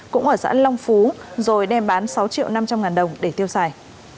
cũng ở xã long phú rồi đem bán sáu triệu năm trăm linh ngàn đồng để tiêu xài